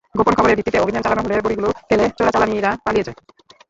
গোপন খবরের ভিত্তিতে অভিযান চালানো হলে বড়িগুলো ফেলে চোরাচালানিরা পালিয়ে যায়।